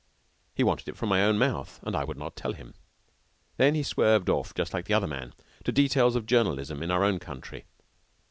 He wanted it from my own mouth, and I would not tell him. Then he swerved off, just like the other man, to details of journalism in our own country.